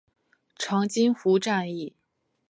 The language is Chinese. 长津湖战役